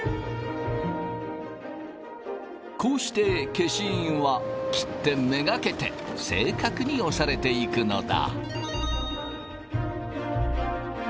こうして消印は切手めがけて正確に押されていくのだ。